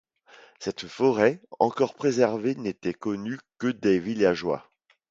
Cette forêt, encore préservée n'était connue que des villageois.